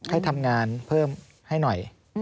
ให้ทำงานเพิ่มให้หน่อย